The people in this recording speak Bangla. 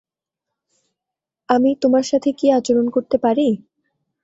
আমি তোমার সাথে কী আচরণ করতে পারি?